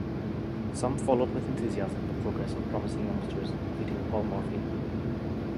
Some followed with enthusiasm the progress of promising youngsters, including Paul Morphy.